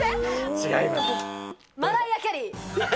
違います。